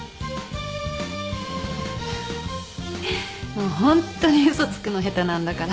もうホントに嘘つくの下手なんだから。